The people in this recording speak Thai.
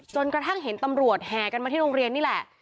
จนกระทั่งเห็นตำรวจแห่กันมาที่โรงเรียนนี่แหละ